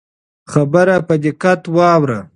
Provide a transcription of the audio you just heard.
خبره په دقت واوره.